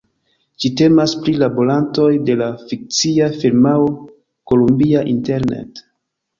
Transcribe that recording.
Ĝi temas pri laborantoj de la fikcia firmao Columbia Internet.